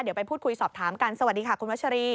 เดี๋ยวไปพูดคุยสอบถามกันสวัสดีค่ะคุณวัชรี